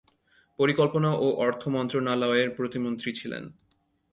পরিকল্পনা ও অর্থ মন্ত্রণালয়ের প্রতিমন্ত্রী ছিলেন।